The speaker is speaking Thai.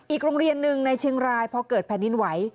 อีกโรงเรียนหนึ่งในเชียงรายพอเกิดแผ่นดินไหว